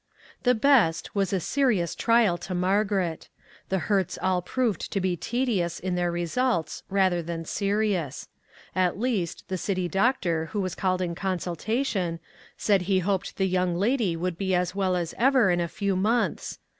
The " best " was a serious trial to Margaret. The hurts all proved to be tedious in their re sults, rather than serious ; at least, the city doc tor, who was called in consultation, said he hoped the young lady would be as well as ever in a few months.